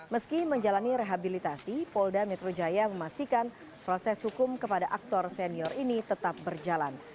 meski menjalani rehabilitasi polda metro jaya memastikan proses hukum kepada aktor senior ini tetap berjalan